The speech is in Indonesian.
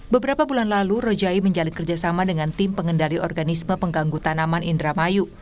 beberapa bulan lalu rojai menjalin kerjasama dengan tim pengendali organisme pengganggu tanaman indramayu